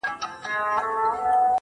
مونږ پر وخت کې نه پاتې کېږو؛ او روان یو